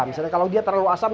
misalnya kalau dia terlalu asam